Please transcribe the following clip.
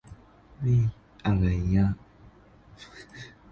แม่เหียะ